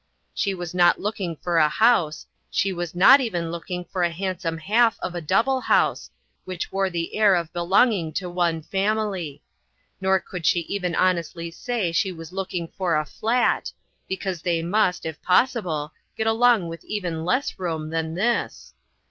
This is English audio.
She was not looking for a house ; she was not even looking for a handsome half of a double house, which wore the air of be longing to one family; 'nor could she even honestly say she was looking for a "flat," be 42 INTERRUPTED. cause they must, if possible, get along with even less room than this.